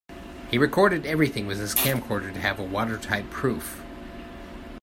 He recorded everything with his camcorder to have a watertight proof.